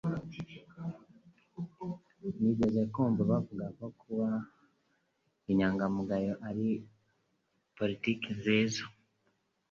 Nigeze kumva bavuga ko kuba inyangamugayo ari politiki nziza